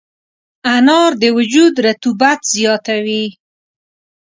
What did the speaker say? انار د وجود رطوبت زیاتوي.